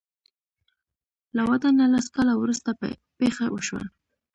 له واده نه لس کاله وروسته پېښه وشوه.